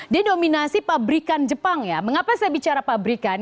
dia dominasi pabrikan jepang ya mengapa saya bicara pabrikan